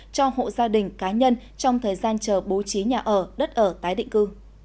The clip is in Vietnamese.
cho hộ gia đình cá nhân trong thời gian chờ bố trí nhà ở đất ở tái định cư